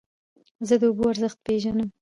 زه د اوبو ارزښت پېژنم.